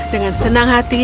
dengan senang hati